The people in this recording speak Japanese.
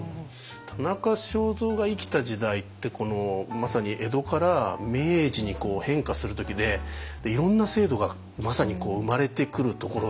田中正造が生きた時代ってまさに江戸から明治に変化する時でいろんな制度がまさに生まれてくるところで。